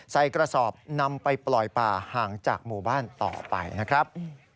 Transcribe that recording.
ใส่กระสอบนำไปปล่อยป่าห่างจากหมู่บ้านต่อไปนะครับ